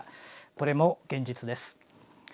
これも現実です。